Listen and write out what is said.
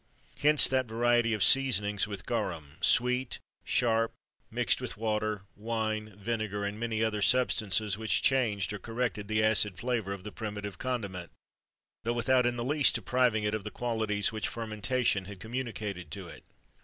Hence that variety of seasonings with garum, sweet,[XXIII 38] sharp, mixed with water, wine, vinegar, and many other substances which changed or corrected the acid flavour of the primitive condiment,[XXIII 39] though without in the least depriving it of the qualities which fermentation had communicated to it.